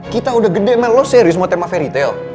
kita udah gede mel lo serius mau tema fairytale